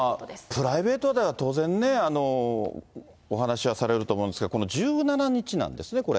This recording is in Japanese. プライベートでは当然ね、お話しはされると思うんですけど、この１７日なんですね、これ。